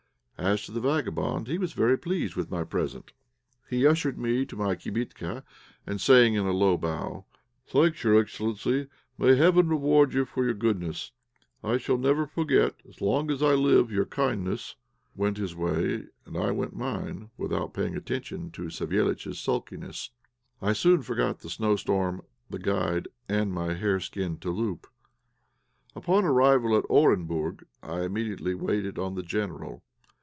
As to the vagabond, he was very pleased with my present. He ushered me to my kibitka, and saying, with a low bow, "Thanks, your excellency; may Heaven reward you for your goodness; I shall never forget, as long as I live, your kindnesses," went his way, and I went mine, without paying any attention to Savéliitch's sulkiness. I soon forgot the snowstorm, the guide, and my hareskin touloup. Upon arrival at Orenburg I immediately waited on the General.